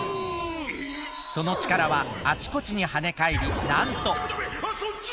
そのちからはあちこちにはねかえりなんと。